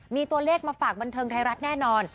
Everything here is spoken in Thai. มีตัวเลขมาฝากบันเทิงไทยรัฐแน่นอน